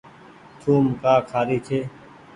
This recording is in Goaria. ٿوم ڪآ کآري ڇي۔